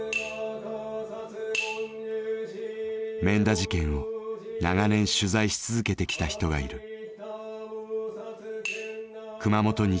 免田事件を長年取材し続けてきた人がいる。